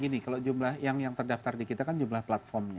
gini kalau jumlah yang terdaftar di kita kan jumlah platformnya